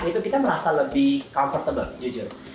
itu kita merasa lebih comfortable jujur